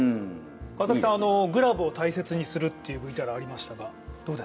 グラブを大切にするというＶＴＲがありましたが。